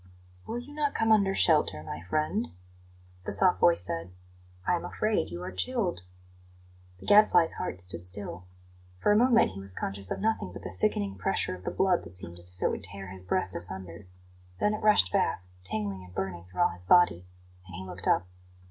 "Will you not come under shelter, my friend?" the soft voice said. "I am afraid you are chilled." The Gadfly's heart stood still. For a moment he was conscious of nothing but the sickening pressure of the blood that seemed as if it would tear his breast asunder; then it rushed back, tingling and burning through all his body, and he looked up.